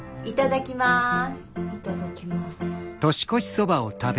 いただきます。